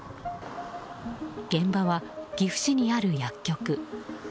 現場は岐阜市にある薬局。